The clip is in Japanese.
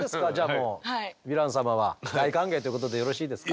もうヴィラン様は大歓迎ってことでよろしいですか？